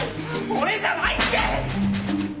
俺じゃないって